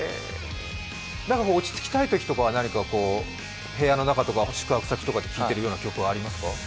落ち着きたいときとかは部屋の中とか宿泊先で聴いている曲はありますか？